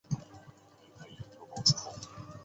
他的早期戏剧生涯开始于托拉克青年剧场。